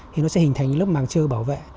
thì nó sẽ hình thành lớp màng trơ bảo vệ